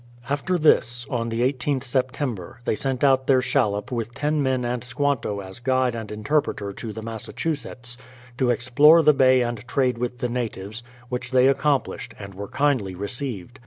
After this, on the i8th September, they sent out their shallop with ten men and Squanto as guide and interpreter to the Massachusetts, to explore the bay and trade with the natives, which they accomplished, and were kindly received.